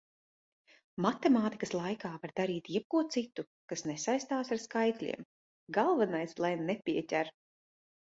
Matemātikas laikā var darīt jebko citu, kas nesaistās ar skaitļiem. Galvenais lai nepieķer!